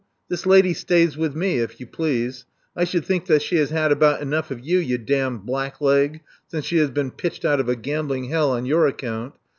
This lady stays with me, if you please. I should think that she has had about enough of you, you damned blackleg, since she has been pitched out of a gambling hell on your account.